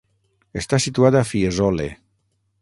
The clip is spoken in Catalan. Està situat a Fiesole.